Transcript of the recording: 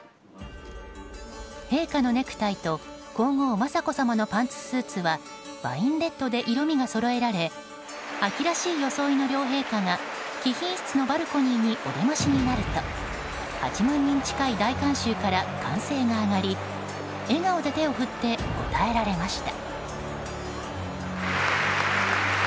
陛下のネクタイと皇后・雅子さまのパンツスーツはワインレッドで色味がそろえられ秋らしい装いの両陛下が貴賓室のバルコニーにお出ましになると８万人近い大観衆から歓声が上がり笑顔で手を振って応えられました。